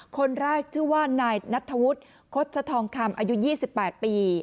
คนแรกชื่อว่านายนัทธวุฒิโฆษทองคำอายุ๒๘ปี